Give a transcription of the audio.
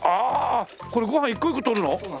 これご飯一個一個取るの？